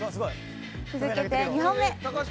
続けて２本目。